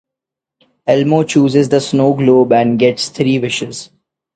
Elmo chooses the snow globe and gets three wishes.